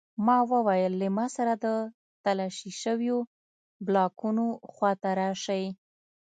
ما وویل له ما سره د تالاشي شویو بلاکونو خواته راشئ